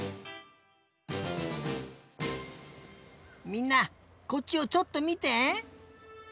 みんなこっちをちょっとみて！